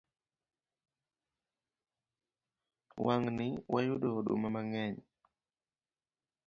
Wang'ni wayudo oduma mang'eny